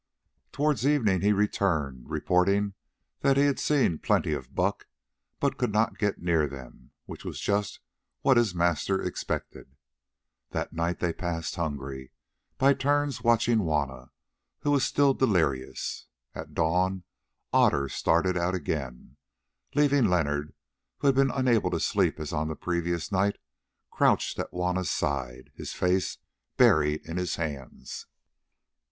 Towards evening he returned, reporting that he had seen plenty of buck, but could not get near them, which was just what his master expected. That night they passed hungry, by turns watching Juanna, who was still delirious. At dawn Otter started out again, leaving Leonard, who had been unable to sleep as on the previous night, crouched at Juanna's side, his face buried in his hands.